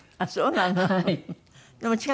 ああそうなの。